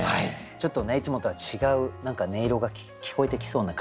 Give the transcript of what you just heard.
ちょっとねいつもとは違う音色が聞こえてきそうな。